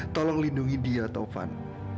tolong lindungi dia taufan